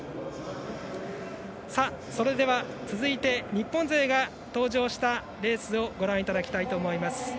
それでは、続いて日本勢が登場したレースをご覧いただきたいと思います。